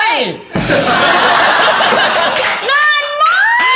นั่นไหม